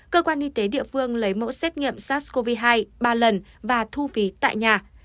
cơ quan y tế địa phương lấy mẫu xét nghiệm sars cov hai ba lần và thu phí tại nhà